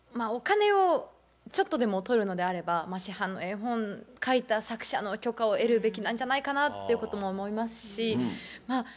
お金をちょっとでも取るのであれば市販の絵本かいた作者の許可を得るべきなんじゃないかなっていうことも思いますしま